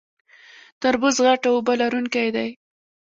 تربوز غټ او اوبه لرونکی دی